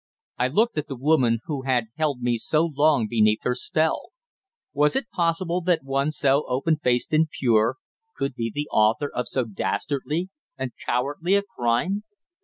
I looked at the woman who had held me so long beneath her spell. Was it possible that one so open faced and pure could be the author of so dastardly and cowardly a crime?